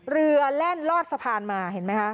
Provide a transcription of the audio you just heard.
แล่นลอดสะพานมาเห็นไหมคะ